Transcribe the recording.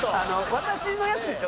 私のやつでしょ？